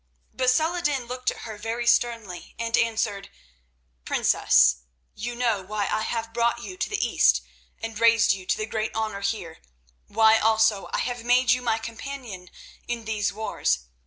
But Saladin looked at her very sternly and answered: "Princess, you know why I have brought you to the East and raised you to great honour here, why also I have made you my companion in these wars.